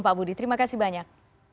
pak budi terima kasih banyak